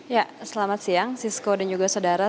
ya selamat siang sisko dan juga saudara